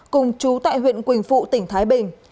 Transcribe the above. cùng chú tại huyện quỳnh phụ tp thái bình